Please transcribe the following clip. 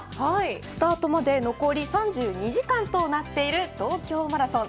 スタートまで残り３２時間となっている東京マラソン。